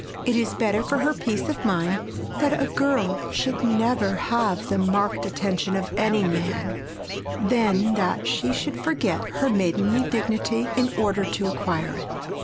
It is better for her peace of mind that a girl should never have the marked attention of any man, than that she should forget her maidenly dignity in order to acquire it.